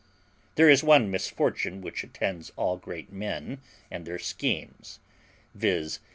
There is one misfortune which attends all great men and their schemes, viz.